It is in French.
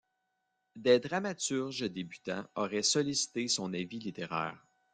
Des dramaturges débutants auraient sollicité son avis littéraire.